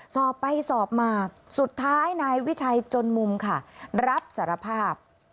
สอบไปสอบมาสุดท้ายนายวิชัยจนมุมค่ะรับสารภาพ